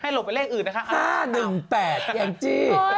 ๑๕๘ให้หลบเป็นเลขอื่นนะคะ๕๑๘อย่างจริง